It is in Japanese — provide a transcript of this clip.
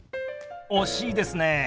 惜しいですね。